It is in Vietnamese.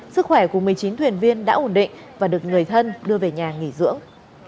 sức khỏe của một mươi chín thuyền viên đã ổn định và được người thân đưa về nhà nghỉ dưỡng